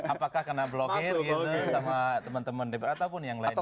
apakah kena blokir ini sama temen temen di depan ataupun yang lainnya